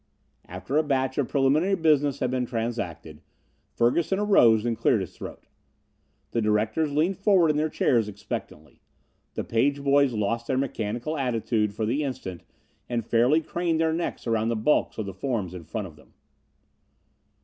After a batch of preliminary business had been transacted, Ferguson arose and cleared his throat. The directors leaned forward in their chairs expectantly. The page boys lost their mechanical attitude for the instant and fairly craned their necks around the bulks of the forms in front of them.